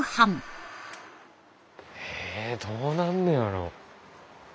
へどうなんのやろ。